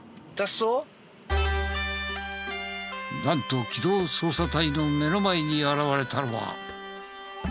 なんと機動捜査隊の目の前に現れたのは。